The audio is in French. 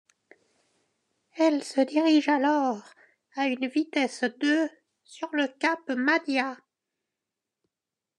Elle se dirige alors à une vitesse de sur le cap Mahdia.